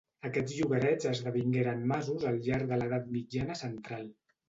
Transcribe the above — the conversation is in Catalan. Aquests llogarets esdevingueren masos al llarg de l'edat mitjana central.